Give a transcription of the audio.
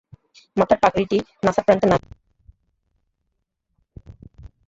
মাথার পাগড়িটি নাসাপ্রান্তে নামিয়া আসিল, ঘড়িটি জেব হইতে বাহির হইয়া পড়িল।